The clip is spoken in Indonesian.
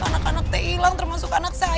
anak anak teh hilang termasuk anak saya